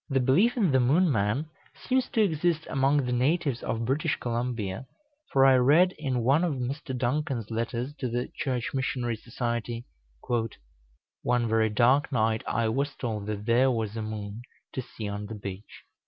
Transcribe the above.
The belief in the Moon man seems to exist among the natives of British Columbia; for I read in one of Mr. Duncan's letters to the Church Missionary Society, "One very dark night I was told that there was a moon to see on the beach.